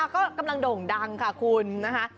ก็กำลังโด่งดังค่ะคุณนะคะ